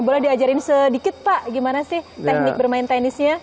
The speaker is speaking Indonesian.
boleh diajarin sedikit pak gimana sih teknik bermain tenisnya